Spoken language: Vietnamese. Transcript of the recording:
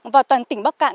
vào toàn tỉnh bắc cạn